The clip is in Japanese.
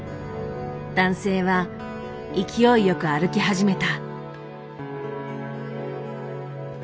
男性は勢いよく歩き始めた。